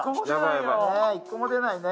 え１個も出ないね